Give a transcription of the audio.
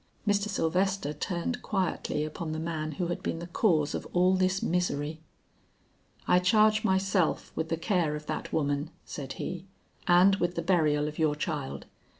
Mr. Sylvester turned quietly upon the man who had been the cause of all this misery. "I charge myself with the care of that woman," said he, "and with the burial of your child.